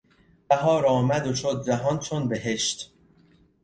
بهار آمد و شد جهان چون بهشت